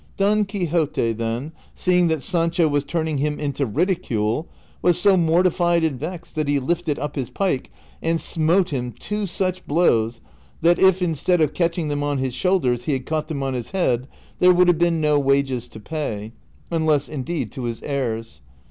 Don Quixote, then, seeing that Sancho was turning him into ridicule, was so mortified and vexed that he lifted up his pike and smote him two such blows that if, instead of catching them on his shoulders, he had caught them on his head, there would have been no wages to pay, unless indeed to his heirs.